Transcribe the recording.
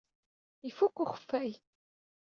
Ifuk ukeffay.